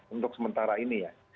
untuk sementara ini ya